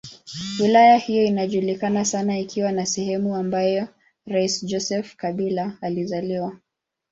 Wilaya hiyo inajulikana sana ikiwa ni sehemu ambayo rais Joseph Kabila alizaliwa.